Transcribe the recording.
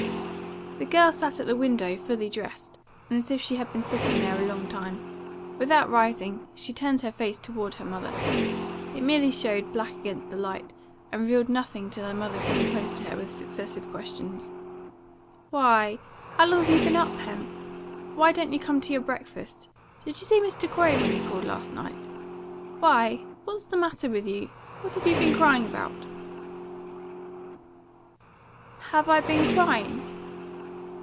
The girl sat at the window, fully dressed, and as if she had been sitting there a long time. Without rising, she turned her face towards her mother. It merely showed black against the light, and revealed nothing till her mother came close to her with successive questions. "Why, how long have you been up, Pen? Why don't you come to your breakfast? Did you see Mr. Corey when he called last night? Why, what's the matter with you? What have you been crying about?" "Have I been crying?"